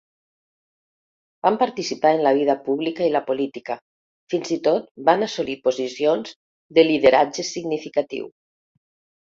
Van participar en la vida pública i la política, fins i tot van assolir posicions de lideratge significatiu.